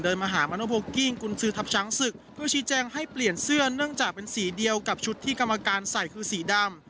เดินมาหาคุณซื้อทับช้างศึกเพื่อชี้แจงให้เปลี่ยนเสื้อเนื่องจากเป็นสีเดียวกับชุดที่กำการใส่คือสีดำ